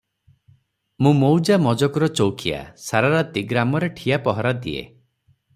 ମୁଁ ମୌଜା ମଜକୁର ଚୌକିଆ, ସାରାରାତି ଗ୍ରାମରେ ଠିଆ ପହରା ଦିଏ ।